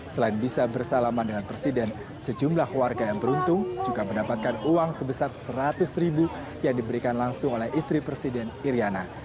selain bisa bersalaman dengan presiden sejumlah warga yang beruntung juga mendapatkan uang sebesar seratus ribu yang diberikan langsung oleh istri presiden iryana